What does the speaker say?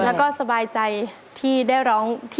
แล้วก็สบายใจที่ได้ร้อง